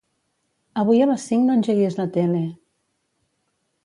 Avui a les cinc no engeguis la tele.